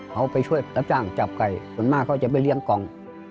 เขาไปช่วยรับจ้างจับไก่ส่วนมากเขาจะไปเลี้ยงกล่อง